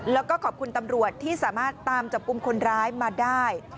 แล้วก็ขอบคุณตำรวจที่สามารถตามจับกลุ่มคนร้ายมาได้